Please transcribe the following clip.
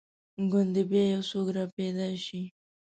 ګوندې بیا یو څوک را پیدا شي.